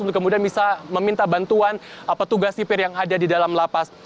untuk kemudian bisa meminta bantuan petugas sipir yang ada di dalam lapas